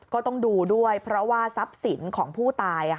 ก็ต้องดูด้วยเพราะว่าทรัพย์สินของผู้ตาย